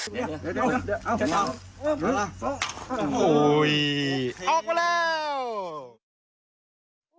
เดี๋ยวเดี๋ยวเดี๋ยวอ้าวอ้าวโอ้ยออกมาแล้ว